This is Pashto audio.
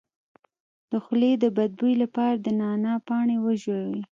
د خولې د بد بوی لپاره د نعناع پاڼې وژويئ